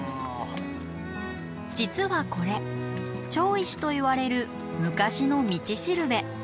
実はこれ町石といわれる昔の道しるべ。